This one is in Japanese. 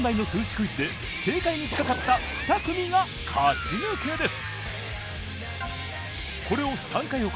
クイズで正解に近かった２組が勝ち抜けです。